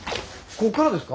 こっからですか？